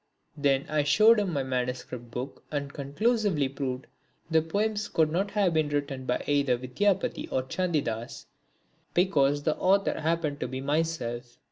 Then I showed him my manuscript book and conclusively proved that the poems could not have been written by either Vidyapati or Chandidas because the author happened to be myself.